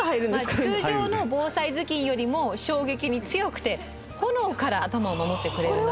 通常の防災頭巾よりも衝撃に強くて炎から頭を守ってくれる。